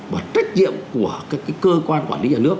và trách nhiệm của các cơ quan quản lý nhà nước